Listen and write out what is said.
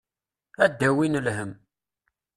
Ad d-awin lhemm.